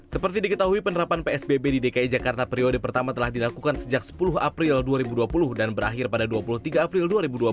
seperti diketahui penerapan psbb di dki jakarta periode pertama telah dilakukan sejak sepuluh april dua ribu dua puluh dan berakhir pada dua puluh tiga april dua ribu dua puluh